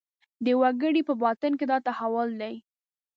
د وګړي په باطن کې دا تحول دی.